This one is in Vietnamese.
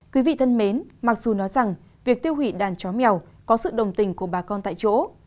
quý vị thân mến mặc dù nói rằng việc tiêu hủy đàn chó mèo có sự đồng tình của bà con tại chỗ